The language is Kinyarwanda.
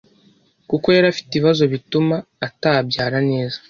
’ kuko yari afite ibibazo bituma atababyara neza.